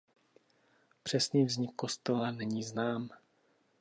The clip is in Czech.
Přesný vznik kostela není znám.